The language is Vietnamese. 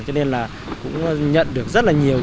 cho nên là cũng nhận được rất là nhiều